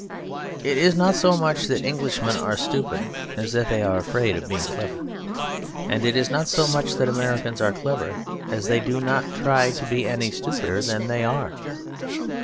It is not so much that Englishmen are stupid as that they are afraid of being clever; and it is not so much that Americans are clever as that they do not try to be any stupider than they are.